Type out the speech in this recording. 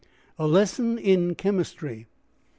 A LESSON IN CHEMISTRY. [MR.